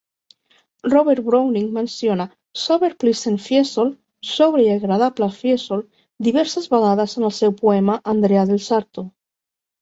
Robert Browning menciona "sober pleasant Fiesole" (sòbria i agradable Fiesole) diverses vegades en el seu poema "Andrea Del Sarto".